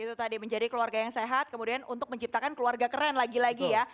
itu tadi menjadi keluarga yang sehat kemudian untuk menciptakan keluarga keren lagi lagi ya